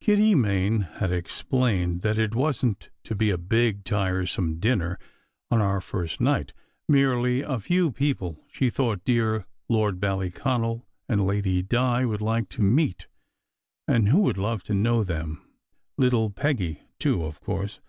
Kitty Main had explained that it wasn t to be a big, tiresome dinner on our first night: merely a few people she thought dear Lord Ballyconal and Lady Di would like to meet, and "who would love to know them little Peggy, too, of course!"